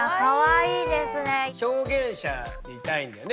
表現者になりたいんだよね